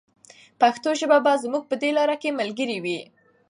پښتو ژبه به زموږ په دې لاره کې ملګرې وي.